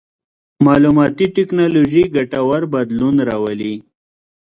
مالوماتي ټکنالوژي ګټور بدلون راولي.